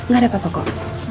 gak ada apa apa kok